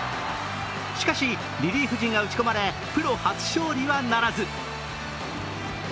しかし、リリーフ陣が打ち込まれプロ初勝利はならず。